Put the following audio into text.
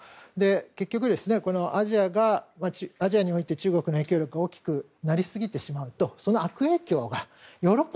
結局、アジアにおいて中国の影響力が大きくなりすぎてしまうとその悪影響がヨーロッパ